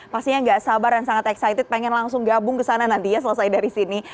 pastinya nggak sabar dan sangat excited pengen langsung gabung ke sana nanti ya selesai dari sini